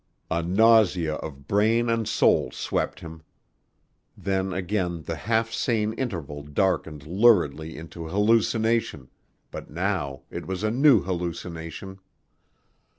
A nausea of brain and soul swept him. Then again the half sane interval darkened luridly into hallucination, but now it was a new hallucination.